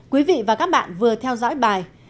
quý vị và các bạn vừa theo dõi bài